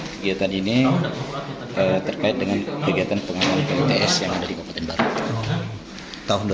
kegiatan ini terkait dengan kegiatan pengadilan kmts yang ada di kabupaten baru tahun dua ribu delapan